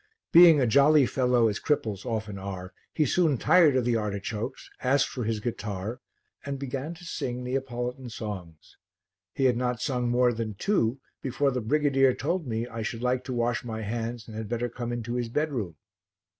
Being a jolly fellow, as cripples often are, he soon tired of the artichokes, asked for his guitar and began to sing Neapolitan songs. He had not sung more than two before the brigadier told me I should like to wash my hands and had better come into his bedroom.